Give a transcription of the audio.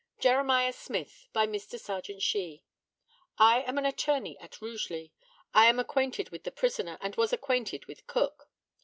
JEREMIAH SMITH, by Mr. Serjeant SHEE: I am an attorney at Rugeley. I am acquainted with the prisoner, and was acquainted with Cook.